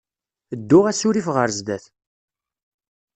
Ddu asurif ɣer sdat.